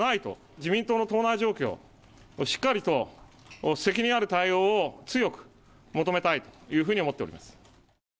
自民党の党内状況、しっかりと責任ある対応を強く求めたいというふうに思っております。